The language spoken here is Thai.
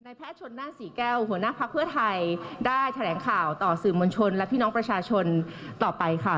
แพทย์ชนนั่นศรีแก้วหัวหน้าภักดิ์เพื่อไทยได้แถลงข่าวต่อสื่อมวลชนและพี่น้องประชาชนต่อไปค่ะ